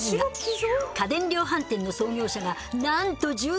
家電量販店の創業者がなんと１０億円で再建。